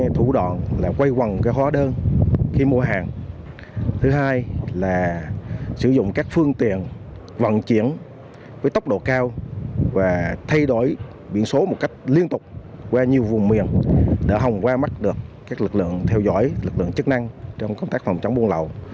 thứ hai là sử dụng các phương tiện vận chuyển với tốc độ cao và thay đổi biển số một cách liên tục qua nhiều vùng miền để không qua mắt được các lực lượng theo dõi lực lượng chức năng trong công tác phòng chống buôn lậu